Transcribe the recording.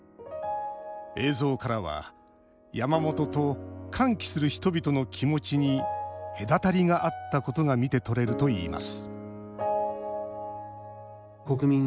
映像からは山本と歓喜する人々の気持ちに隔たりがあったことが見て取れるといいます